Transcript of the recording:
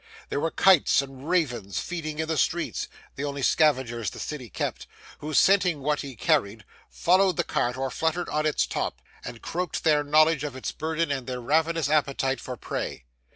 There were kites and ravens feeding in the streets (the only scavengers the City kept), who, scenting what he carried, followed the cart or fluttered on its top, and croaked their knowledge of its burden and their ravenous appetite for prey.